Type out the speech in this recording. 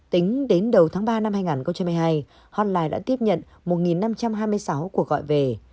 tính đến đầu tháng ba năm hai nghìn hai mươi hai honline đã tiếp nhận một năm trăm hai mươi sáu cuộc gọi về